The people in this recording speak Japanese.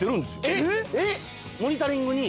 えっ？